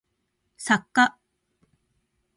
作家